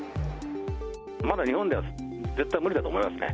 まだ日本では絶対無理だと思いますね。